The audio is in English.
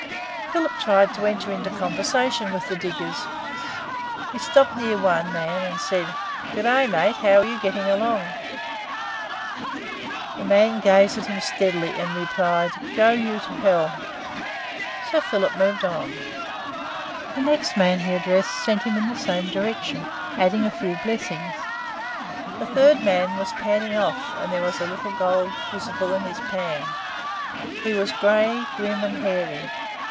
Philip tried to enter into conversation with the diggers. He stopped near one man, and said: "Good day, mate. How are you getting along?" The man gazed at him steadily, and replied "Go you to hell," so Philip moved on. The next man he addressed sent him in the same direction, adding a few blessings; the third man was panning off, and there was a little gold visible in his pan. He was gray, grim, and hairy.